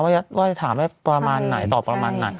ว่าจะถามให้ประมาณไหนตอบประมาณไหน